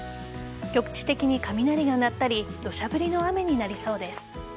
局地的に雷が鳴ったり土砂降りの雨になりそうです。